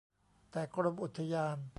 แต่กรมอุทยาน